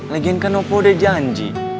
lagian kan opa udah janji